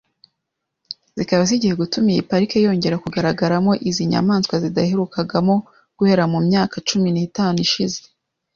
zikaba zigiye gutuma iyi Parike yongera kugaragaramo izi nyamaswa zitaherukagamo guhera mu myaka cumi n’itanu ishize